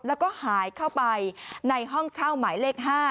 แล้วก็หายเข้าไปในห้องเช่าหมายเลข๕